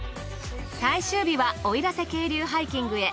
最終日は奥入瀬渓流ハイキングへ。